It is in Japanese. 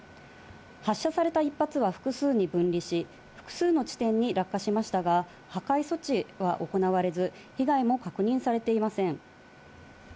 発射された１発は複数に分離し、複数の地点に落下しましたが、破壊措置は行われず、被害も確認されていません。